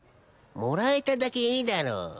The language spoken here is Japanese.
もらえただけいいだろ。